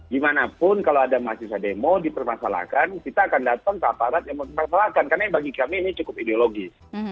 gimanapun kalau ada mahasiswa demo dipermasalahkan kita akan datang ke aparat yang mempermasalahkan karena bagi kami ini cukup ideologis